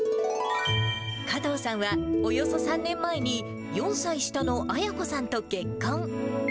加藤さんは、およそ３年前に、４歳下の綾子さんと結婚。